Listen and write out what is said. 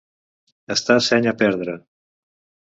Estar seny a perdre.